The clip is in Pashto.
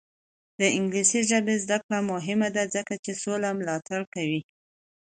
د انګلیسي ژبې زده کړه مهمه ده ځکه چې سوله ملاتړ کوي.